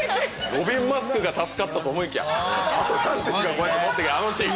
ロビンマスクが助かったと思いきやアトランティスが持ってるシーン。